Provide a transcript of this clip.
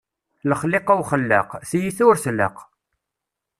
Lexliqa uxellaq, tiyta ur tlaq.